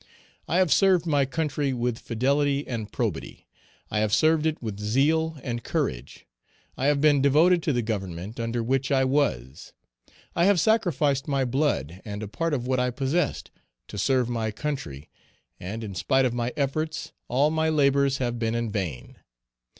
I have served my country with fidelity and probity; I have served it with zeal and courage; I have been devoted to the Government under which I was; I have sacrificed my blood and a part of what I possessed, to serve my country, and in spite of my efforts, all my labors have been in vain.